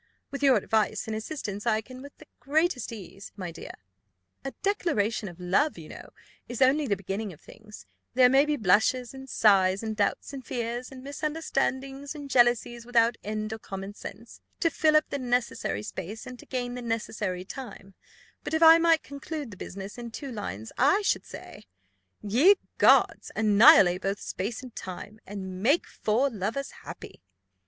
With your advice and assistance, I can with the greatest ease, my dear. A declaration of love, you know, is only the beginning of things; there may be blushes, and sighs, and doubts, and fears, and misunderstandings, and jealousies without end or common sense, to fill up the necessary space, and to gain the necessary time; but if I might conclude the business in two lines, I should say, 'Ye gods, annihilate both space and time, And make four lovers happy.